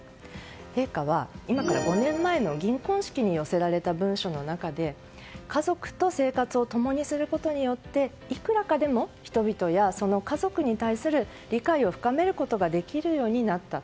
陛下は今から５年前の銀婚式に寄せられた文書の中で家族と生活を共にすることによっていくらかでも人々やその家族に対する理解を深めることができるようになった。